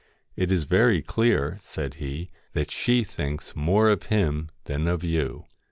' It is very clear,' said he, ' that she thinks more of him than of you.'